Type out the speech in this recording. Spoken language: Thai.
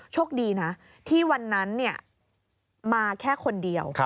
โชคดีนะที่วันนั้นมาแค่คนเดียว